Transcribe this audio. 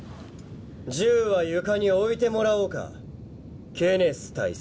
銃は床に置いてもらおうかケネス大佐。